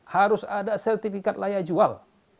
harus ada sertifikat layak jual